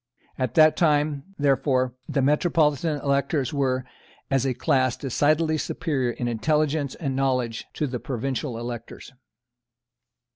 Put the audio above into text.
At that time, therefore, the metropolitan electors were, as a class, decidedly superior in intelligence and knowledge to the provincial electors.